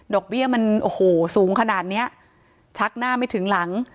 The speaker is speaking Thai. เบี้ยมันโอ้โหสูงขนาดเนี้ยชักหน้าไม่ถึงหลัง